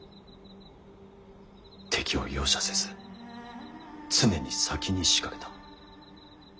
敵を容赦せず常に先に仕掛けた。